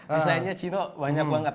desainnya cino banyak banget